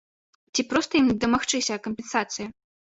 Ці проста ім дамагчыся кампенсацыі?